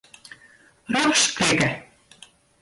Rjochts klikke.